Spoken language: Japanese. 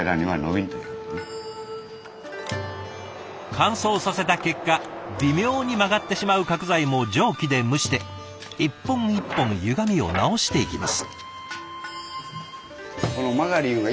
乾燥させた結果微妙に曲がってしまう角材も蒸気で蒸して一本一本ゆがみを直していきます。